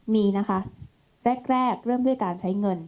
มีนะคะแรกเริ่มด้วยการใช้เงิน